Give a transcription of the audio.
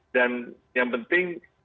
dan yang penting